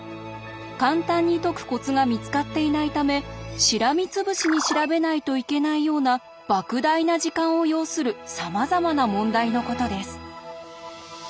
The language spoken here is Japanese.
簡単に解くコツが見つかっていないためしらみつぶしに調べないといけないようなばく大な時間を要するさまざまな問題のことです。